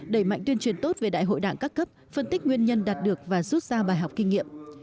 đẩy mạnh tuyên truyền tốt về đại hội đảng các cấp phân tích nguyên nhân đạt được và rút ra bài học kinh nghiệm